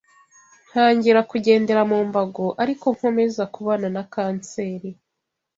ntangira kugendera mu mbago ariko nkomeza kubana na kanseri